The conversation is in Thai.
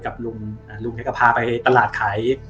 แกก็พาไปตลาดขาย